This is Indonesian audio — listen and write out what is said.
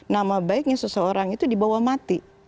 nama baiknya seseorang itu dibawa mati